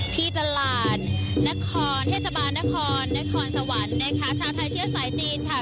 ที่ตลาดนครเทศบาลนครนครสวรรค์นะคะชาวไทยเชื้อสายจีนค่ะ